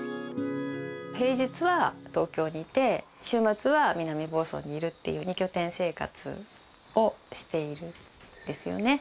平日は東京にいて週末は南房総にいるっていう二拠点生活をしているんですよね。